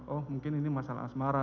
oh mungkin ini masalah asmara